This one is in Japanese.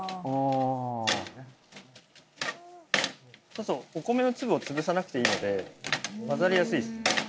そうするとお米の粒を潰さなくていいので混ざりやすいです